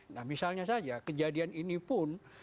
nah misalnya saja kejadian ini pun